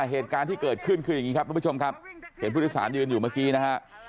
เหตุการณ์ที่เกิดขึ้นคืออย่างนี้ครับทุกผู้ชมครับเห็นผู้โดยสารยืนอยู่เมื่อกี้นะฮะ